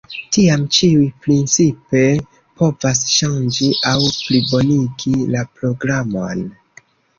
Tiam ĉiuj principe povas ŝanĝi aŭ plibonigi la programon.